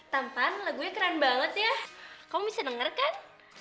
tampan lagunya keren banget ya kamu bisa denger kan